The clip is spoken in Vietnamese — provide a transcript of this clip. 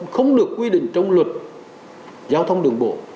không được quy định trong luật giao thông đường bộ